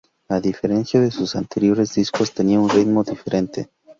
A diferencia de sus anteriores discos, tenía un ritmo diferente.